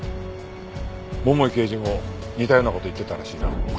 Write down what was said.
桃井刑事も似たような事言ってたらしいな。